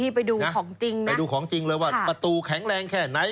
ไปดูของจริงเลยว่าประตูแข็งแรงแค่ไหน